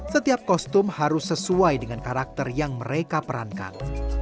setiap kostum harus sesuai dengan karakter yang mereka perankan